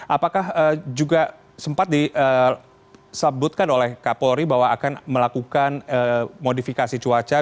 apakah juga sempat disebutkan oleh kapolri bahwa akan melakukan modifikasi cuaca